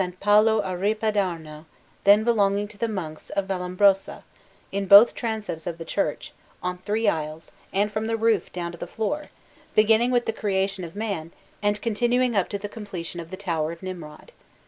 Paolo a Ripa d'Arno, then belonging to the Monks of Vallombrosa, in both transepts of the church, on three sides, and from the roof down to the floor, beginning with the Creation of man, and continuing up to the completion of the Tower of Nimrod.